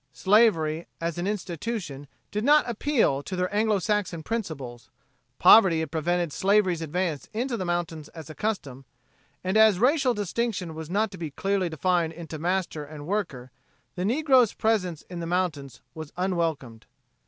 Slavery as an institution did not appeal to their Anglo Saxon principles; poverty had prevented slavery's advance into the mountains as a custom, and as racial distinction was not to be clearly defined into master and worker, the negro's presence in the mountains was unwelcomed.